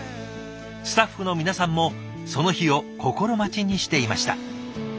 スタッフの皆さんもその日を心待ちにしていました。